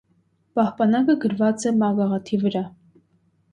Պահպանակը գրված է՝ մագաղաթի վրա։